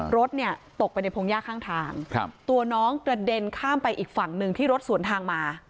รถเนี่ยตกไปในพงหญ้าข้างทางตัวน้องกระเด็นข้ามไปอีกฝั่งหนึ่งที่รถสวนทางมา